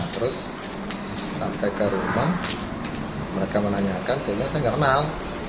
terus sampai ke rumah mereka menanyakan sehingga saya nggak kenal